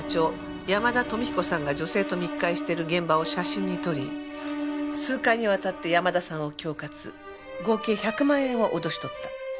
山田富彦さんが女性と密会している現場を写真に撮り数回にわたって山田さんを恐喝合計１００万円を脅し取った。